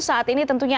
saat ini tentunya